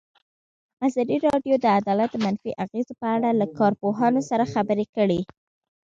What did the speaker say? ازادي راډیو د عدالت د منفي اغېزو په اړه له کارپوهانو سره خبرې کړي.